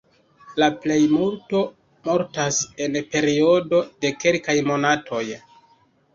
La plejmulto mortas en periodo de kelkaj monatoj.